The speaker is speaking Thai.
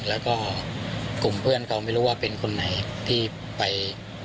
แล้วก็กลุ่มเพื่อนเขาไม่รู้ว่าเป็นคนไหนที่ไป